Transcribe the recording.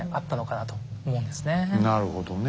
なるほどね。